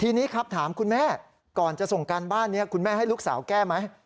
ทีนี้ครับถามคุณแม่ก่อนจะส่งการบ้านนี้คุณแม่ให้ลูกสาวแก้ไหม